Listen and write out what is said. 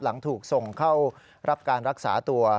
หลังถูกส่งเข้ารับการรักษาตัว